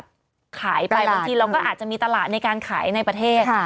ขายไปบางทีเราก็อาจจะมีตลาดในการขายในประเทศ